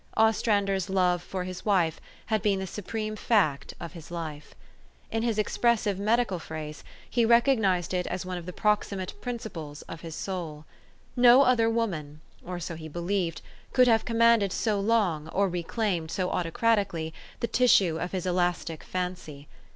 Ostrander's love for his wife had been the supreme fact of his life. 408 THE STOKY OF AVIS. In his expressive medical phrase, he recognized it as one of the proximate principles of his soul. No other woman, or so he believed, could have com manded so long, or reclaimed so autocratically, the tissue of his elastic fancy.